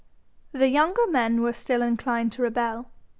The younger men were still inclined to rebel.